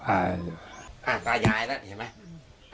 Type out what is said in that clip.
อ่าตายายแล้วเห็นไหม